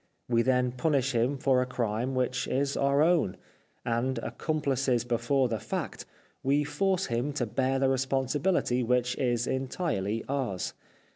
We then punish him for a crime which is our own, and, accomplices before the fact, we force him to bear the responsibility which is entirely ours.